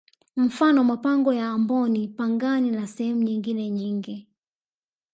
Mfano mapango ya amboni pangani na sehemu nyingine nyingi